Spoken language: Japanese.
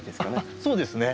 そうですね。